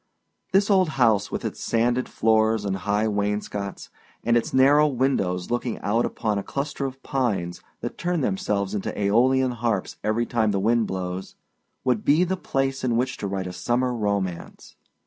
This old house, with its sanded floors and high wainscots, and its narrow windows looking out upon a cluster of pines that turn themselves into aeolian harps every time the wind blows, would be the place in which to write a summer romance.